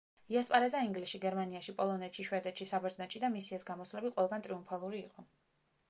იასპარეზა ინგლისში, გერმანიაში, პოლონეთში, შვედეთში, საბერძნეთში და მისი ეს გამოსვლები ყველგან ტრიუმფალური იყო.